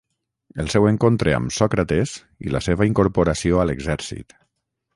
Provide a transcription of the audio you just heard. el seu encontre amb Sòcrates i la seva incorporació a l'exèrcit